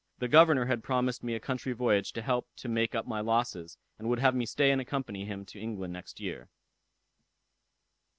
The governor had promised me a country voyage to help to make up my losses, and would have me stay and accompany him to England next year."